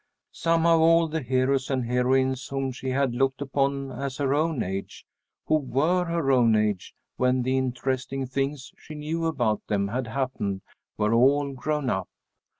Somehow all the heroes and heroines whom she had looked upon as her own age, who were her own age when the interesting things she knew about them had happened, were all grown up.